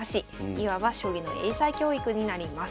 いわば将棋の英才教育になります。